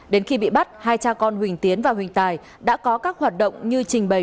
đến khi bị bắt hai cha con huỳnh tiến và huỳnh tài đã có các hoạt động như trình bày